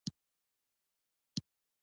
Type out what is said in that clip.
د دوی ترڅنګ څلوېښت صحابه شهیدان شوي.